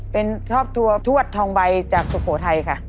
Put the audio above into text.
เป็นครอบครัวทวดทองใบจากสุโขทัยค่ะ